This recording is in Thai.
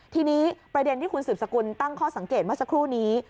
ทีนี้ประเด็นที่คุณสืบสกุลตั้งข้อสังเกตเมื่อสักครู่นี้